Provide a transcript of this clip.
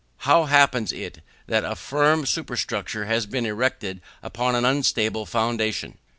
How happens it that a firm superstructure has been erected upon an unstable foundation?